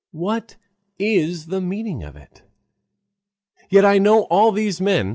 What is the meaning of it? Yet I know all these men.